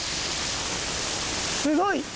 すごい！